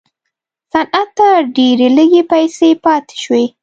صنعت ته ډېرې لږې پیسې پاتې شوې.